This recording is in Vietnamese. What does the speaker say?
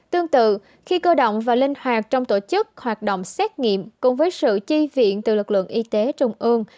tương tự khi cơ động và linh hoạt trong tổ chức hoạt động xét nghiệm cùng với sự chi viện từ lực lượng y tế trung ương